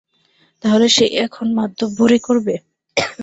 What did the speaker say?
তাহলে সেই এখন মাতব্বরি করবে?